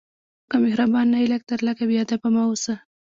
که مهربان نه یې، لږ تر لږه بېادبه مه اوسه.